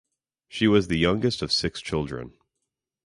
She was the youngest of six children.